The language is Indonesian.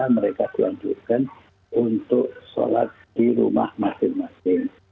mereka dilanjutkan untuk sholat di rumah masing masing